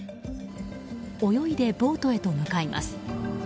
泳いでボートへと向かいます。